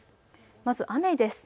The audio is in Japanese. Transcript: まず雨です。